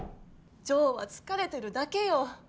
ジョーは疲れてるだけよ。